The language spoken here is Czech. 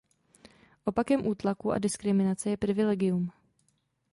Opakem útlaku a diskriminace je privilegium.